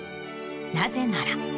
なぜなら。